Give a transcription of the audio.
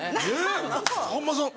さんまさん？